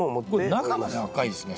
これ中まで赤いですね。